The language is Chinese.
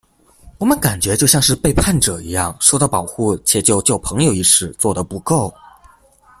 我们感觉就像是背叛者一样，受到保护且就救朋友一事做得不够。